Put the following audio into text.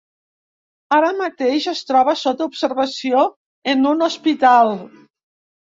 Ara mateix es troba sota observació en un hospital.